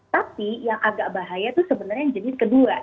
tapi yang agak bahaya itu sebenarnya yang jenis kedua